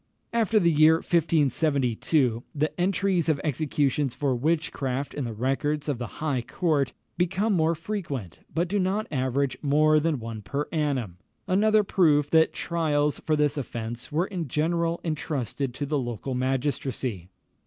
After the year 1572, the entries of executions for witchcraft in the records of the High Court become more frequent, but do not average more than one per annum, another proof that trials for this offence were in general entrusted to the local magistracy.